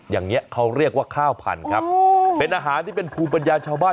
อย่างนี้เขาเรียกว่าข้าวพันธุ์ครับเป็นอาหารที่เป็นภูมิปัญญาชาวบ้าน